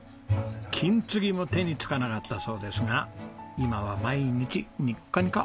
金継ぎも手につかなかったそうですが今は毎日ニッコニコ。